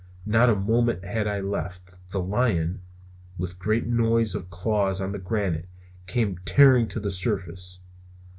Not a moment had I left. The lion, with great noise of claws on the granite, came tearing to the surface.